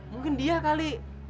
mungkin dia kali